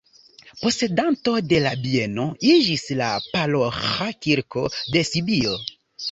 Posedanto de la bieno iĝis la paroĥa kirko de Sibio.